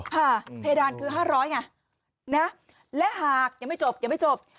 ห่าเพดานคือห้าร้อยไงนะและหากยังไม่จบยังไม่จบ